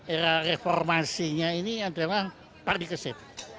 era reformasinya ini adalah parikesit